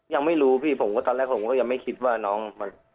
ยังไม่รู้พี่ผมก็ตอนแรกผมก็ยังไม่คิดว่าน้องมัน